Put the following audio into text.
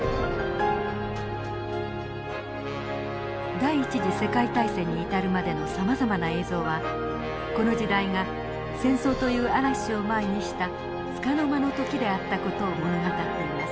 第一次世界大戦に至るまでのさまざまな映像はこの時代が戦争という嵐を前にしたつかの間の時であった事を物語っています。